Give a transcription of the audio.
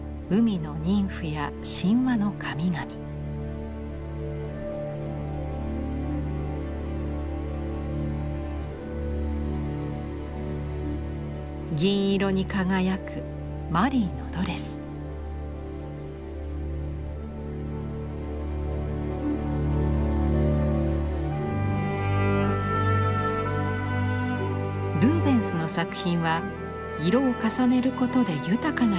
ルーベンスの作品は色を重ねることで豊かな表現を生み出していました。